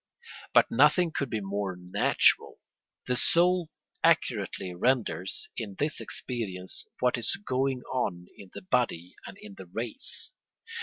But nothing could be more natural; the soul accurately renders, in this experience, what is going on in the body and in the race.